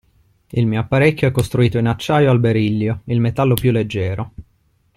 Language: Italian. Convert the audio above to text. Il mio apparecchio è costruito in acciaio al berillo, il metallo più leggero.